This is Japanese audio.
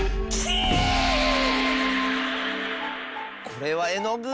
これはえのぐ？